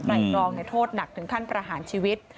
ไหล่ตรองเนี่ยโทษหนักถึงขั้นประหารชีวิต